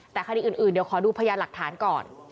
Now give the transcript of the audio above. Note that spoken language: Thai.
แต่คดีอื่นเดี๋ยวขอดูพยานหลักฐานก่อน